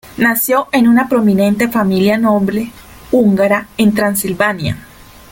Nació en una prominente familia noble húngara en Transilvania.